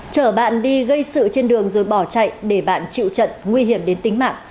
chở bạn đi gây sự trên đường rồi bỏ chạy để bạn chịu trận nguy hiểm đến tính mạng